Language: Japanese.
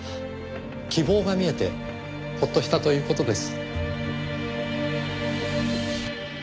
希望が見えてほっとしたという事です。